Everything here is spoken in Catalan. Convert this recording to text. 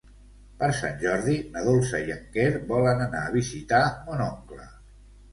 Per Sant Jordi na Dolça i en Quer volen anar a visitar mon oncle.